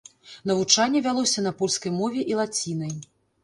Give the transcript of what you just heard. Навучанне вялося на польскай мове і лацінай.